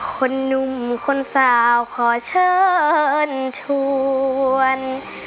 หนุ่มคนสาวขอเชิญชวน